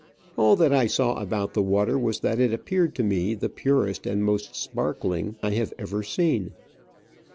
All that I saw about the water was that it appeared to me the purest and most sparkling I have ever seen.